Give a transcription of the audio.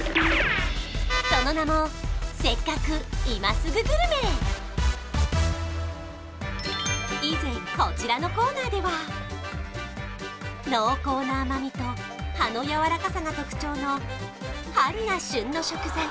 その名も以前こちらのコーナーでは濃厚な甘みと葉のやわらかさが特徴の春が旬の食材